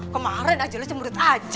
kemarin aja lo cemurut aja